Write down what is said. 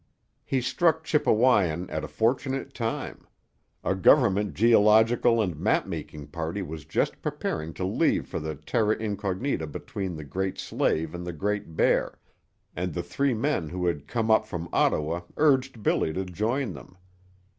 He struck Chippewyan at a fortunate time. A government geological and map making party was just preparing to leave for the terra incognita between the Great Slave and the Great Bear, and the three men who had come up from Ottawa urged Billy to join them.